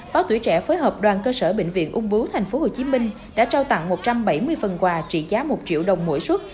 báo tuổi trẻ phối hợp đoàn cơ sở bệnh viện úng bứu thành phố hồ chí minh đã trao tặng một trăm bảy mươi phần quà trị giá một triệu đồng mỗi xuất